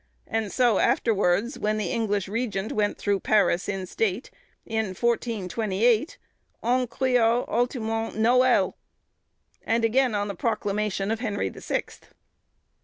and so afterwards, when the English Regent went through Paris in state, in 1428, "on crioit haultement nouel!" and again on the proclamation of Henry the Sixth.